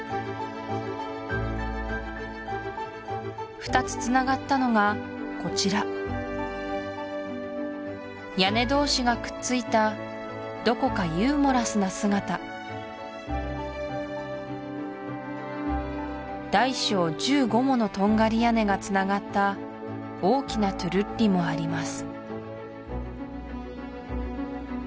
２つつながったのがこちら屋根同士がくっついたどこかユーモラスな姿大小１５ものトンガリ屋根がつながった大きなトゥルッリもあります